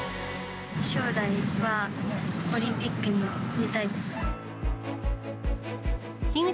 将来はオリンピックに出たい。